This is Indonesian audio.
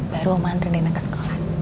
baru oma anterin rena ke sekolah